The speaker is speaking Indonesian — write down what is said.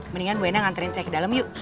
mendingan bu ena nganterin saya ke dalam yuk